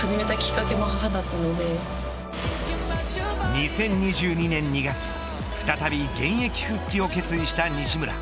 ２０２２年２月再び現役復帰を決意した西村。